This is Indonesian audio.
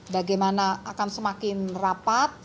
bagaimana akan semakin rapat